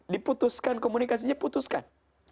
diputuskan komunikasinya putuskan